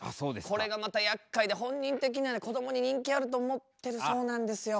これがまたやっかいで本人的にはねこどもに人気あると思ってるそうなんですよ。